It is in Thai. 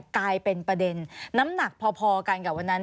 กลายเป็นประเด็นน้ำหนักพอกันกับวันนั้น